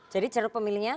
jadi cara pemilinya